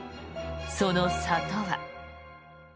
その差とは。